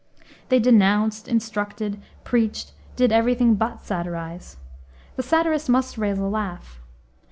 They denounced, instructed, preached, did every thing but satirize. The satirist must raise a laugh.